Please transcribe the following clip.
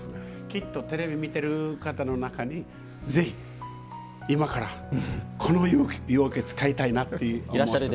きっとテレビ見てる方の中にぜひ、今からこの湯桶を使いたい方がね。